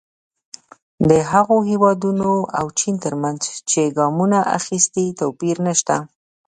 د هغو هېوادونو او چین ترمنځ چې ګامونه اخیستي توپیر نه شته.